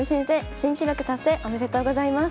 新記録達成おめでとうございます。